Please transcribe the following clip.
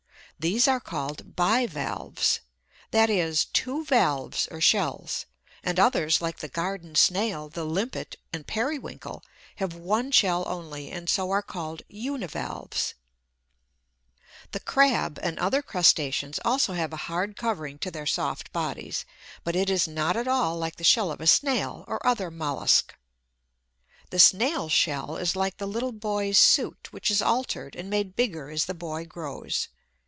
These are called bi valves; that is, two valves or shells; and others, like the Garden Snail, the Limpet, and Periwinkle, have one shell only, and so are called uni valves. The crab, and other crustaceans, also have a hard covering to their soft bodies; but it is not at all like the shell of a Snail, or other mollusc. The Snail's shell is like the little boy's suit which is altered and made bigger as the boy grows.